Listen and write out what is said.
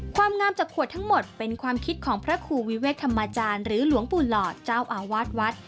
ความงามจากขวดทั้งหมดเป็นความคิดของพระครูวิเวกธรรมจารย์หรือหลวงปู่หลอดเจ้าอาวาสวัด